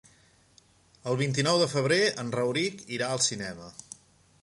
El vint-i-nou de febrer en Rauric irà al cinema.